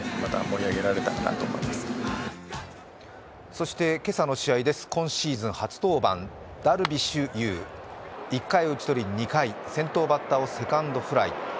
そして、今朝の試合です今シーズン初登板ダルビッシュ有、１回を打ち取り２回、先頭バッターをセカンドフライ。